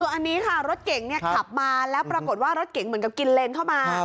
อันนี้ค่ะรถเก๋งขับมาแล้วปรากฏว่ารถเก๋งเหมือนกับกินเลนเข้ามา